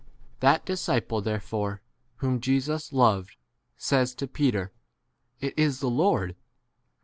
That disciple therefore whom Jesus loved says to Peter, It is the Lord.